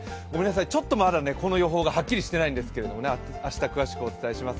ちょっとまだこの予報がはっきりしてないんです、明日詳しくお届けします。